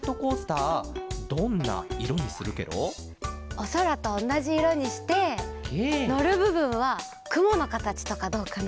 おそらとおなじいろにしてのるぶぶんはくものかたちとかどうかな？